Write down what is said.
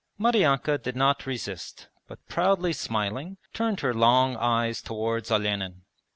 Maryanka did not resist but proudly smiling turned her long eyes towards Olenin.